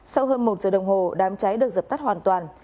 sau hơn một giờ đồng hồ đám cháy được dập tắt hoàn toàn